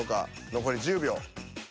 残り１０秒。